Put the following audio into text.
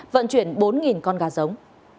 vận chuyển bốn con gà giống